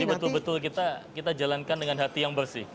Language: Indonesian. jadi betul betul kita jalankan dengan hati yang bersih